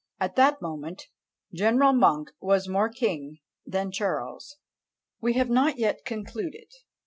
At that moment General Monk was more king than Charles. We have not yet concluded.